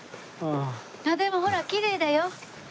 でもほらきれいだよ！